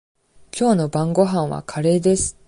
きょうの晩ごはんはカレーです。